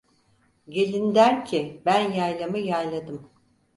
Gelin der ki ben yaylamı yayladım.